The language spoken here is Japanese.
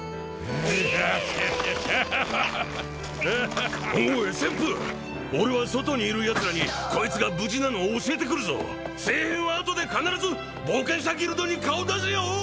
よしよしよしガハハハハおい旋風俺は外にいるヤツらにこいつが無事なのを教えてくるぞ聖変はあとで必ず冒険者ギルドに顔出せよ！